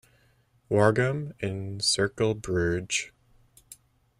Waregem and Cercle Brugge.